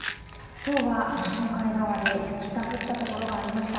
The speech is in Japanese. きょうは日本海側で雪が降った所がありました。